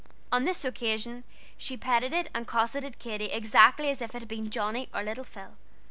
On this occasion she petted and cosseted Katy exactly as if it had been Johnnie or little Phil.